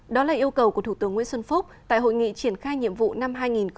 đó là yêu cầu của thủ tướng nguyễn xuân phúc tại hội nghị triển khai nhiệm vụ năm hai nghìn hai mươi